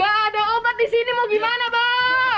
hei tidak ada obat di sini mau gimana bang